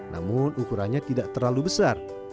namun ukurannya tidak terlalu besar